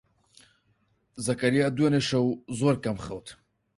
زەکەریا دوێنێ شەو زۆر کەم خەوت.